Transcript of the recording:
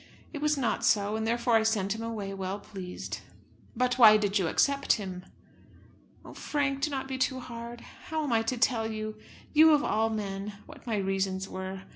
It was not so; and therefore I sent him away, well pleased." "But why did you accept him?" "Oh, Frank! do not be too hard. How am I to tell you you, of all men, what my reasons were?